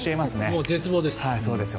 もう絶望です。